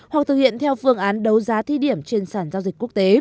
hoặc thực hiện theo phương án đấu giá thi điểm trên sản giao dịch quốc tế